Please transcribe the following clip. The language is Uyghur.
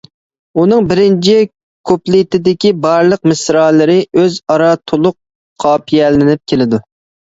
ئۇنىڭ بىرىنچى كۇپلېتىدىكى بارلىق مىسرالىرى ئۆزئارا تولۇق قاپىيەلىنىپ كېلىدۇ.